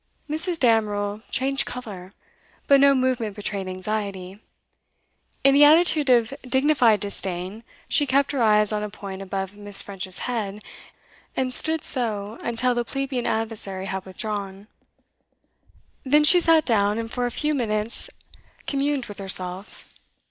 Mrs. Damerel changed colour, but no movement betrayed anxiety. In the attitude of dignified disdain, she kept her eyes on a point above Miss. French's head, and stood so until the plebeian adversary had withdrawn. Then she sat down, and for a few minutes communed with herself.